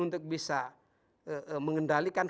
untuk bisa mengendalikan